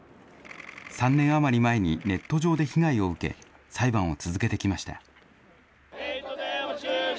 ３年余り前にネット上で被害を受け、裁判を続けてきました。